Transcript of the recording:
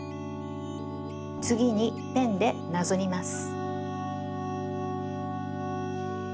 つぎにペンでなぞります。